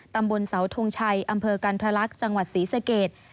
ตำบลเสาทงชัยอำเภอกันทรลักษณ์จังหวัดศรีสเกต